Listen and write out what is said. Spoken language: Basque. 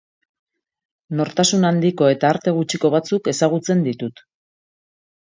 Nortasun handiko eta arte gutxiko batzuk ezagutzen ditut.